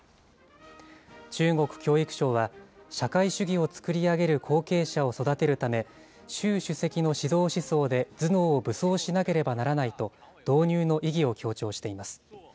中国教育省は、社会主義を作り上げる後継者を育てるため、習主席の指導思想で頭脳を武装しなければならないと、導入の意義を強調しています。